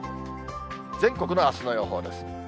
全国のあすの予報です。